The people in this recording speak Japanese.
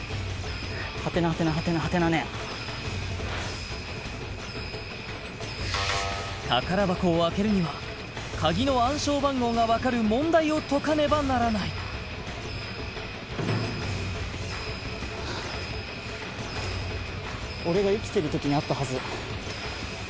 ハテナハテナハテナハテナ年宝箱を開けるには鍵の暗証番号が分かる問題を解かねばならない俺が生きてる時にあったはず